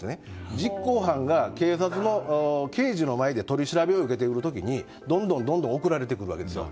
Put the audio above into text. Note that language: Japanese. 実行犯が刑事の前で取り調べを受けている時にどんどん送られてくるわけですよ。